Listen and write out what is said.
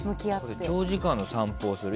長時間の散歩をする。